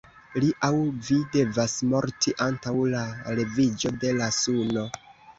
Li aŭ vi devas morti antaŭ la leviĝo de la suno.